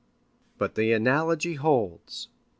But the analogy holds.